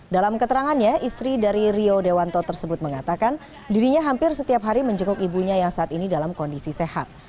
dalam keterangannya istri dari rio dewanto tersebut mengatakan dirinya hampir setiap hari menjenguk ibunya yang saat ini dalam kondisi sehat